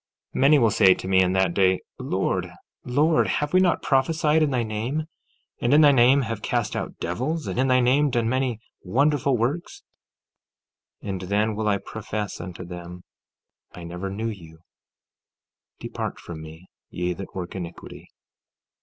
14:22 Many will say to me in that day: Lord, Lord, have we not prophesied in thy name, and in thy name have cast out devils, and in thy name done many wonderful works? 14:23 And then will I profess unto them: I never knew you; depart from me, ye that work iniquity.